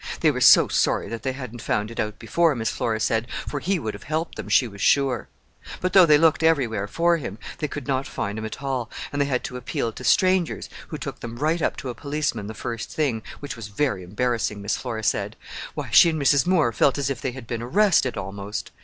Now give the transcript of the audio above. They were so sorry that they hadn't found it out before, Miss Flora said, for he would have helped them, she was sure. But though they looked everywhere for him, they could not find him at all, and they had to appeal to strangers, who took them right up to a policeman the first thing, which was very embarrassing, Miss Flora said. Why, she and Mrs. Moore felt as if they had been arrested, almost!